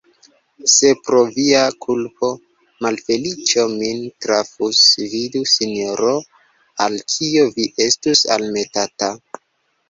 Se, pro via kulpo, malfeliĉo min trafus, vidu, sinjoro, al kio vi estus elmetata!